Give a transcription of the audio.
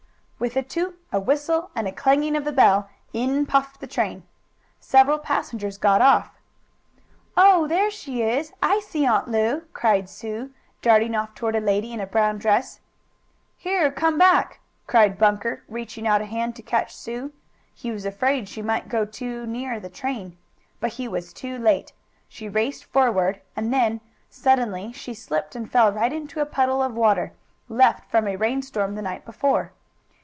With a toot, a whistle and a clanging of the bell, in puffed the train. Several passengers got off. "Oh, there she is! I see Aunt Lu!" cried Sue, darting off toward a lady in a brown dress. "Here, come back!" cried Bunker, reaching out a hand to catch Sue. He was afraid she might go too near the train. But he was too late. Sue raced forward, and then, suddenly, she slipped and fell right into a puddle of water, left from a rain storm the night before.